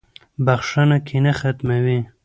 • بخښنه کینه ختموي.